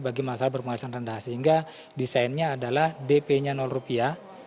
bagi masalah berpenghasilan rendah sehingga desainnya adalah dp nya rupiah